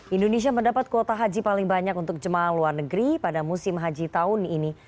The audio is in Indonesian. indonesia mendapat kuota haji paling banyak untuk jemaah luar negeri pada musim haji tahun ini